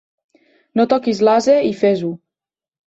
No toquis l'ase i fes-ho.